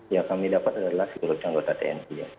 yang kami dapat adalah seluruh anggota tni